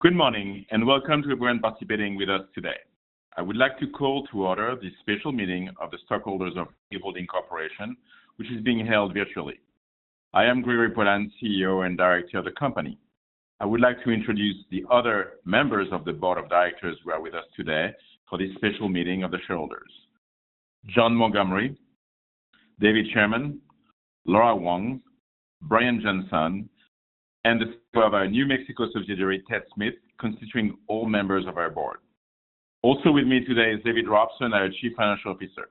Good morning, welcome to everyone participating with us today. I would like to call to order this special meeting of the stockholders of Nuvve Holding Corp., which is being held virtually. I am Gregory Poilasne, CEO and director of the company. I would like to introduce the other members of the board of directors who are with us today for this special meeting of the shareholders. Jon Montgomery, David Sherman, Laura Huang, Brian Johnson, and the CEO of our New Mexico subsidiary, Ted Smith, constituting all members of our board. Also with me today is David Robson, our chief financial officer.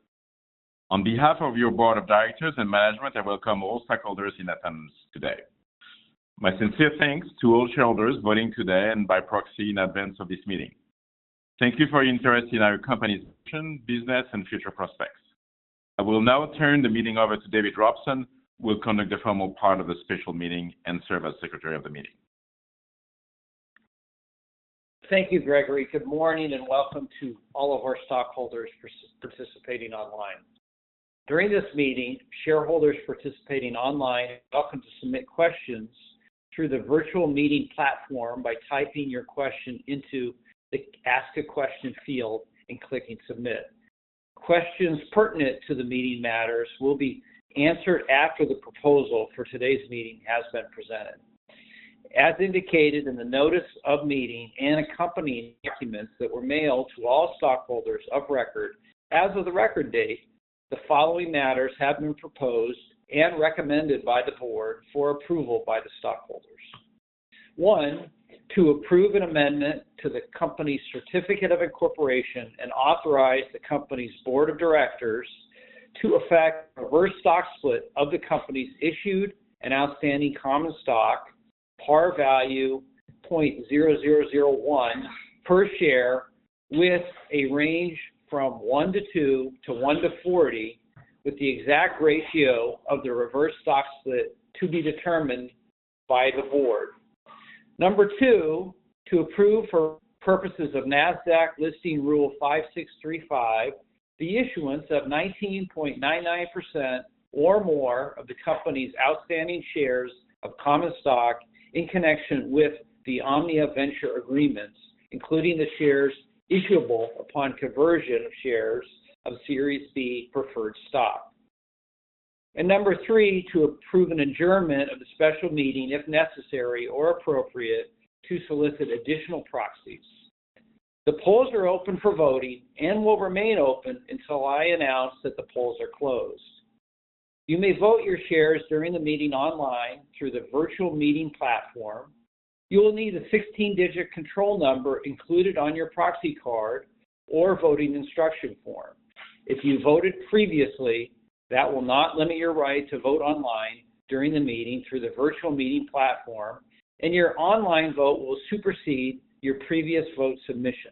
On behalf of your board of directors and management, I welcome all stockholders in attendance today. My sincere thanks to all shareholders voting today and by proxy in advance of this meeting. Thank you for your interest in our company's mission, business, and future prospects. I will now turn the meeting over to David Robson, who will conduct the formal part of the special meeting and serve as secretary of the meeting. Thank you, Gregory. Good morning, welcome to all of our stockholders participating online. During this meeting, shareholders participating online are welcome to submit questions through the virtual meeting platform by typing your question into the Ask a Question field and clicking Submit. Questions pertinent to the meeting matters will be answered after the proposal for today's meeting has been presented. As indicated in the notice of meeting and accompanying documents that were mailed to all stockholders of record, as of the record date, the following matters have been proposed and recommended by the board for approval by the stockholders. One, to approve an amendment to the company's certificate of incorporation and authorize the company's board of directors to effect a reverse stock split of the company's issued and outstanding common stock, par value $0.0001 per share, with a range from one to two to one to 40, with the exact ratio of the reverse stock split to be determined by the board. Number 2, to approve for purposes of NASDAQ Listing Rule 5635, the issuance of 19.99% or more of the company's outstanding shares of common stock in connection with the Omnia Venture agreements, including the shares issuable upon conversion of shares of Series B Preferred Stock. Number 3, to approve an adjournment of the special meeting, if necessary or appropriate, to solicit additional proxies. The polls are open for voting and will remain open until I announce that the polls are closed. You may vote your shares during the meeting online through the virtual meeting platform. You will need a 16-digit control number included on your proxy card or voting instruction form. If you voted previously, that will not limit your right to vote online during the meeting through the virtual meeting platform, and your online vote will supersede your previous vote submission.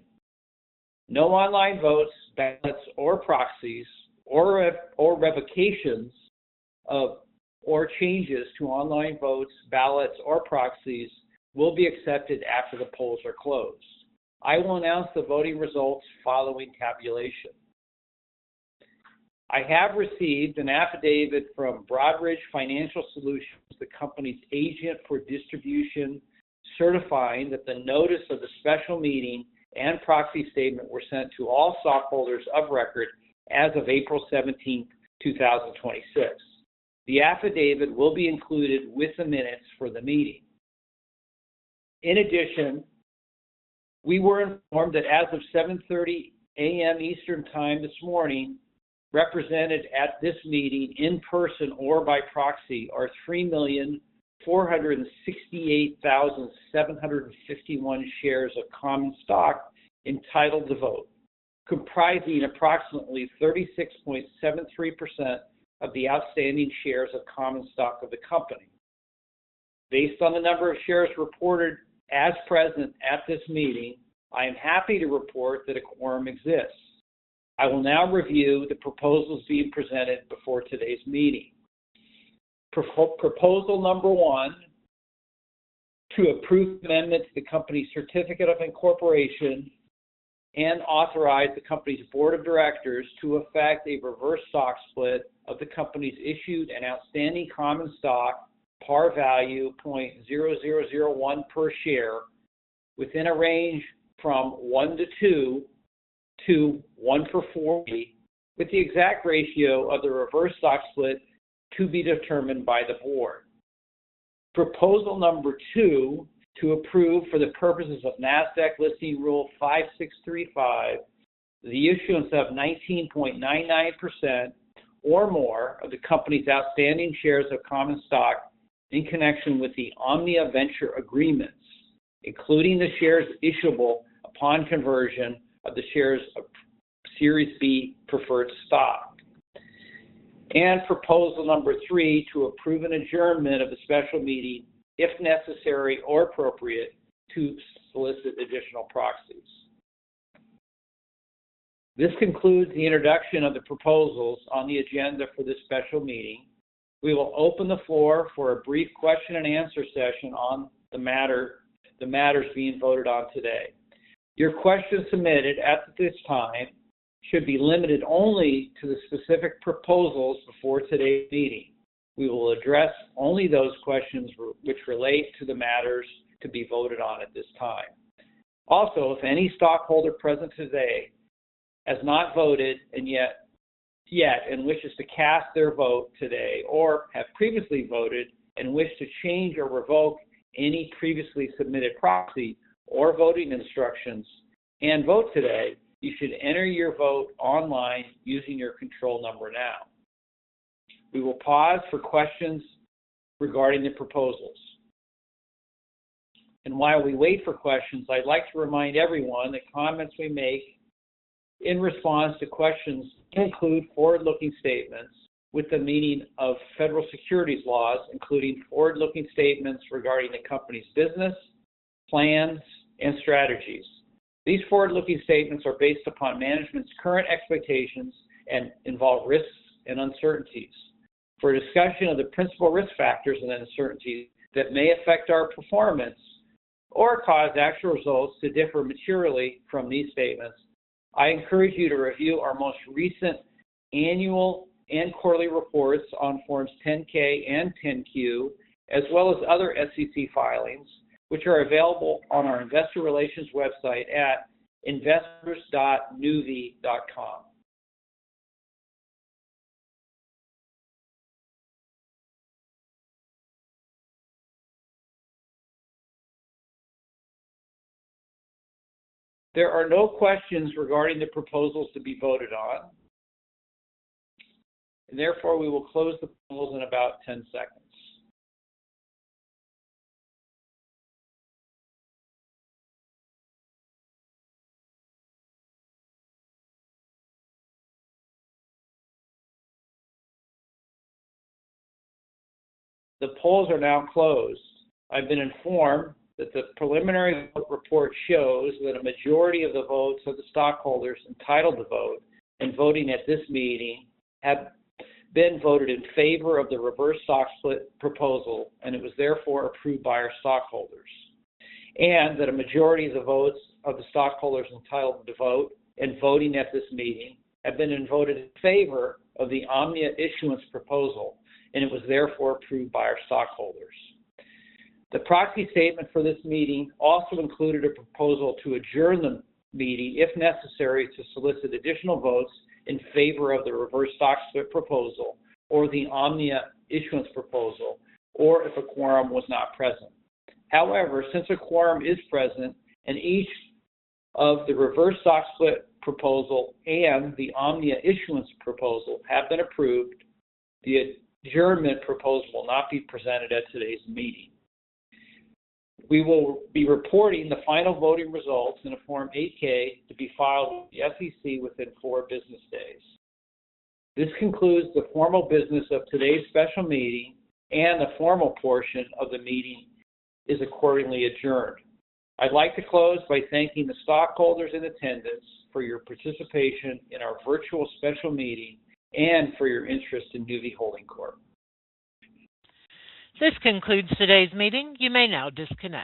No online votes, ballots, or proxies, or revocations of, or changes to online votes, ballots, or proxies will be accepted after the polls are closed. I will announce the voting results following tabulation. I have received an affidavit from Broadridge Financial Solutions, the company's agent for distribution, certifying that the notice of the special meeting and proxy statement were sent to all stockholders of record as of April 17, 2026. The affidavit will be included with the minutes for the meeting. We were informed that as of 7:30 A.M. Eastern Time this morning, represented at this meeting in person or by proxy are 3,468,751 shares of common stock entitled to vote, comprising approximately 36.73% of the outstanding shares of common stock of the company. Based on the number of shares reported as present at this meeting, I am happy to report that a quorum exists. I will now review the proposals being presented before today's meeting. Proposal number 1, to approve an amendment to the company's certificate of incorporation and authorize the company's board of directors to effect a reverse stock split of the company's issued and outstanding common stock, par value $0.0001 per share, within a range from one to two to one to 40, with the exact ratio of the reverse stock split to be determined by the board. Proposal number 2, to approve for the purposes of NASDAQ Listing Rule 5635, the issuance of 19.99% or more of the company's outstanding shares of common stock in connection with the Omnia Venture agreements, including the shares issuable upon conversion of the shares of Series B Preferred Stock. Proposal number 3, to approve an adjournment of the special meeting, if necessary or appropriate, to solicit additional proxies. This concludes the introduction of the proposals on the agenda for this special meeting. We will open the floor for a brief question and answer session on the matters being voted on today. Your questions submitted at this time should be limited only to the specific proposals before today's meeting. We will address only those questions which relate to the matters to be voted on at this time. If any stockholder present today has not voted yet and wishes to cast their vote today or have previously voted and wish to change or revoke any previously submitted proxy or voting instructions and vote today, you should enter your vote online using your control number now. We will pause for questions regarding the proposals. While we wait for questions, I'd like to remind everyone that comments we make in response to questions may include forward-looking statements with the meaning of federal securities laws, including forward-looking statements regarding the company's business, plans, and strategies. These forward-looking statements are based upon management's current expectations and involve risks and uncertainties. For a discussion of the principal risk factors and uncertainties that may affect our performance or cause actual results to differ materially from these statements, I encourage you to review our most recent annual and quarterly reports on Forms 10-K and 10-Q, as well as other SEC filings, which are available on our investor relations website at investors.nuvve.com. There are no questions regarding the proposals to be voted on, and therefore we will close the polls in about 10 seconds. The polls are now closed. I've been informed that the preliminary vote report shows that a majority of the votes of the stockholders entitled to vote and voting at this meeting have been voted in favor of the reverse stock split proposal, and it was therefore approved by our stockholders, and that a majority of the votes of the stockholders entitled to vote and voting at this meeting have been voted in favor of the Omnia Issuance Proposal, and it was therefore approved by our stockholders. The proxy statement for this meeting also included a proposal to adjourn the meeting, if necessary, to solicit additional votes in favor of the reverse stock split proposal or the Omnia Issuance Proposal, or if a quorum was not present. Since a quorum is present and each of the reverse stock split proposal and the Omnia Issuance Proposal have been approved, the adjournment proposal will not be presented at today's meeting. We will be reporting the final voting results in a Form 8-K to be filed with the SEC within four business days. This concludes the formal business of today's special meeting and the formal portion of the meeting is accordingly adjourned. I'd like to close by thanking the stockholders in attendance for your participation in our virtual special meeting and for your interest in Nuvve Holding Corp. This concludes today's meeting. You may now disconnect.